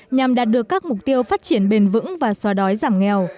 nhằm đạt được các mục tiêu phát triển bền vững và xóa đói giảm nghèo